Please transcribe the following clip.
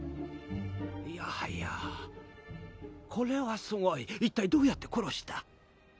いやはやこれはすごい一体どうやって殺した？